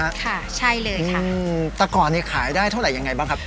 ค่ะใช่เลยค่ะอืมแต่ก่อนเนี้ยขายได้เท่าไหร่ยังไงบ้างครับ